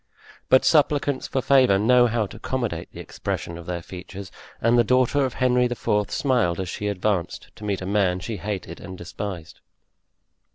But supplicants for favor know how to accommodate the expression of their features, and the daughter of Henry IV. smiled as she advanced to meet a man she hated and despised.